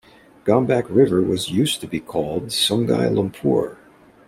Gombak River was used to be called Sungai Lumpur.